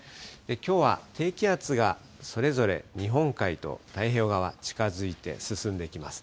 きょうは低気圧がそれぞれ、日本海と太平洋側、近づいて進んできます。